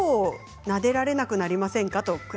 猫がなでられなくなりませんか？